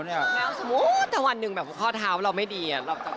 แล้วสมมติวันหนึ่งเป็นข้อเท้าเราไม่ดี